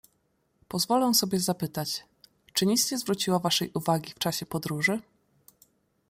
"Pozwolę sobie zapytać, czy nic nie zwróciło waszej uwagi w czasie podróży?"